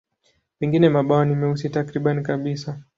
Pengine mabawa ni meusi takriban kabisa.